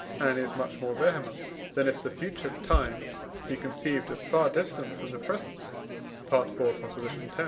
and is much more vehement, than if the future time be conceived as far distant from the present (IV. x.).